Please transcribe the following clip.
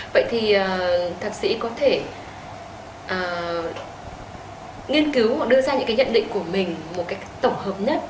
vậy thì thạc sĩ có thể nghiên cứu hoặc đưa ra những cái nhận định của mình một cách tổng hợp nhất